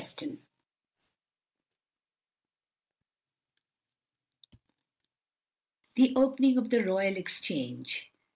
THE OPENING OF THE ROYAL EXCHANGE.